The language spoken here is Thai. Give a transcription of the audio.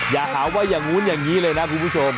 อย่าหาว่าอย่างนู้นอย่างนี้เลยนะคุณผู้ชม